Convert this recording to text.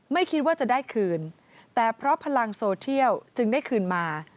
ไม่คิดว่าจะได้คืนแต่เพราะพลังโซเทียลจึงได้คืนมา